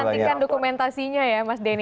nantikan dokumentasinya ya mas denny